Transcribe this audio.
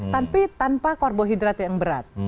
tapi tanpa karbohidrat yang berat